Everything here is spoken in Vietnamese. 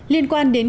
liên quan đến